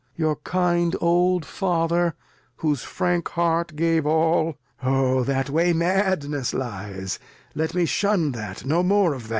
Your old kind Father, whose frank Heart gave All ; O that Way madness lies ; let me shun that ; No more of that.